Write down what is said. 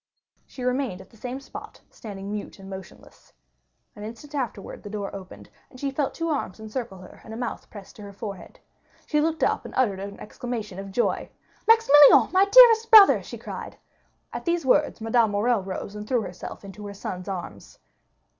She remained at the same spot standing mute and motionless. An instant afterwards the door opened, she felt two arms encircle her, and a mouth pressed her forehead. She looked up and uttered an exclamation of joy. 20053m "Maximilian, my dearest brother!" she cried. At these words Madame Morrel rose, and threw herself into her son's arms.